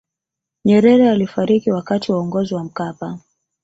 nyerere alifariki wakati wa uongozi wa mkapa